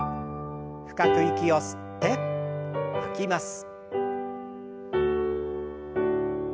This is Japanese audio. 深く息を吸って吐きます。